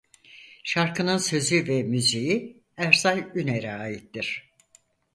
Şarkının sözü ve müziği Ersay Üner'e aittir.